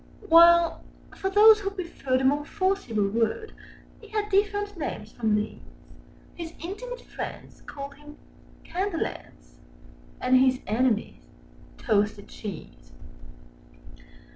While, for those who preferred a more forcible word, Â Â Â Â He had different names from these: His intimate friends called him "Candle ends," Â Â Â Â And his enemies "Toasted cheese."